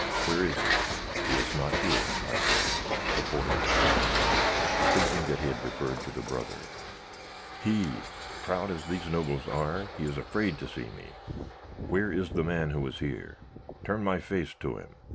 Where is he?' "'He is not here,' I said, supporting the boy, and thinking that he referred to the brother. "'He! Proud as these Nobles are, he is afraid to see me. Where is the man who was here? Turn my face to him.'